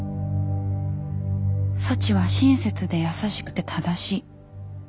サチは親切で優しくて正しい。